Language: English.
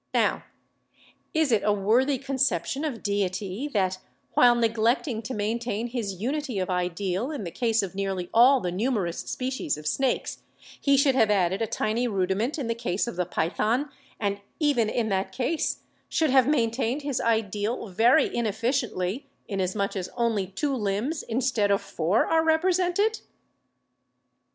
Now, is it a worthy conception of Deity that, while neglecting to maintain his unity of ideal in the case of nearly all the numerous species of snakes, he should have added a tiny rudiment in the case of the Python — and even in that case should have maintained his ideal very in efficiently, inasmuch as only two limbs, instead of four, are represented